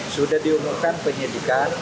sudah diumurkan penyidikan